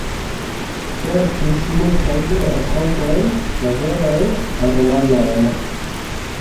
Verkis multajn rakontojn, novelojn, romanojn.